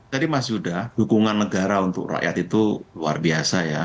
tadi mas yuda dukungan negara untuk rakyat itu luar biasa ya